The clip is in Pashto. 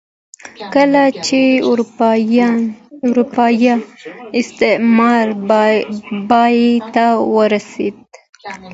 کله چې اروپايي استعمار پای ته ورسېد.